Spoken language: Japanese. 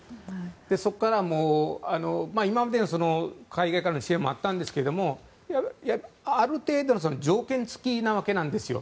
そこから、今まで海外からの支援もあったんですがある程度の条件付きなわけなんですよ。